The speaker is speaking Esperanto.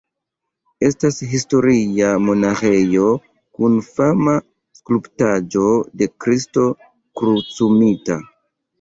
Estas historia monaĥejo kun fama skulptaĵo de Kristo Krucumita.